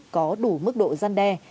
có đủ mức độ gian đe